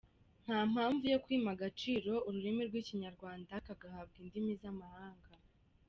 Nta mpamvu yo kwima agaciro ururimi rw’Ikinyarwanda kagahabwa indimi z’amahanga.